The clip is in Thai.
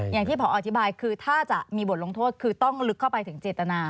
อย่างที่พออธิบายคือถ้าจะมีบทลงโทษคือต้องลึกเข้าไปถึงเจตนา